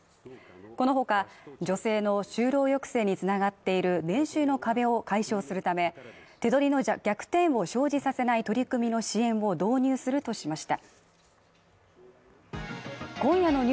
この他、女性の就労抑制に繋がっている年収の壁を解消するため、手取りの逆転を生じさせない取り組みの支援を導入するとしました。